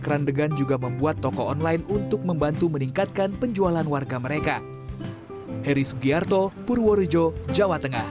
sandegan juga membuat toko online untuk membantu meningkatkan penjualan warga mereka